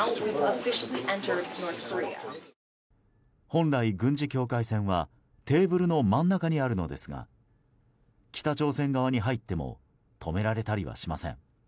本来、軍事境界線はテーブルの真ん中にあるのですが北朝鮮側に入っても止められたりはしません。